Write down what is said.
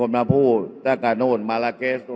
อย่าให้ลุงตู่สู้คนเดียว